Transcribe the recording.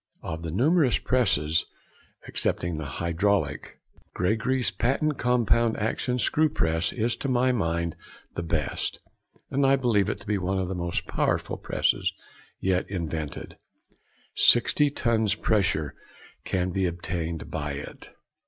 Of the numerous presses, excepting the hydraulic, Gregory's Patent Compound Action Screw Press is to my mind the best, and I believe it to be one of the most powerful presses yet invented; sixty tons pressure can be obtained by it.